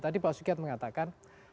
tadi pak sukiat mengatakan